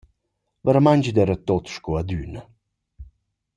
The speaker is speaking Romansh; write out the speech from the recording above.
Vairamaing d’eira tuot sco adüna.